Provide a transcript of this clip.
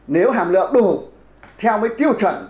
nếu hàm lượng đủ theo mấy tiêu chuẩn